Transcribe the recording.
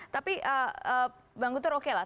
tapi bang guntur oke lah